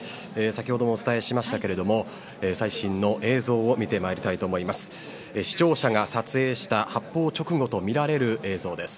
先ほどもお伝えしましたけれども最新の映像を見てまいりたいと思います。